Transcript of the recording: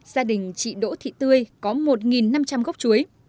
gia đình chị đỗ thị tươi có một năm trăm linh gốc chuối